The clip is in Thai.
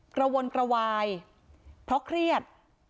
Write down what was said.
กระวนกระวายเพราะเครียด